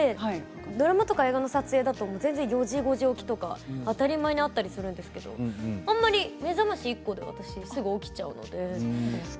ドラマとか映画の撮影だと４時起きとか、５時起きとか当たり前にあったりするんですけど目覚まし１個で私はすぐ起きちゃうので。